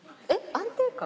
安定感？